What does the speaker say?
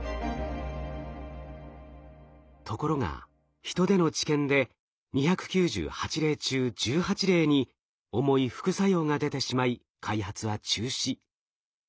ところが人での治験で２９８例中１８例に重い副作用が出てしまい開発は中止。